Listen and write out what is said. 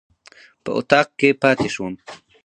په اطاق کې پاتې شوم.